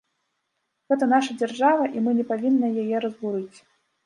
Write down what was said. Гэта наша дзяржава, і мы не павінны яе разбурыць.